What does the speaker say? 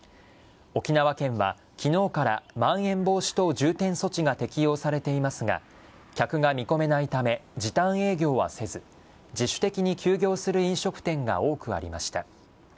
沖縄県はきのうからまん延防止等重点措置が適用されていますが、客が見込めないため、時短営業はせず、自主的に休業する飲食店が多くありました。